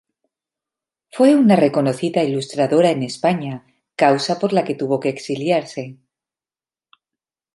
Fue una reconocida ilustradora en España, causa por la que tuvo que exiliarse.